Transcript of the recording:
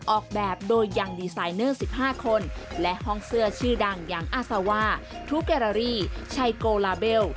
ออกแบบโดยยังดีไซนเนอร์๑๕คนและห้องเสื้อชื่อดังอย่างอาซาว่าทูแกรารี่ชัยโกลาเบล